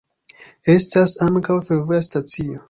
Estas ankaŭ fervoja stacio.